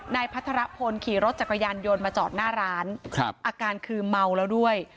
พัทรพลขี่รถจักรยานยนต์มาจอดหน้าร้านครับอาการคือเมาแล้วด้วย